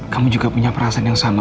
kamu juga punya perasaan yang sama